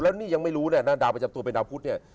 แล้วนี่ยังไม่รู้เนี่ยนะดาวประจำตัวเป็นดาวพุทธเนี่ย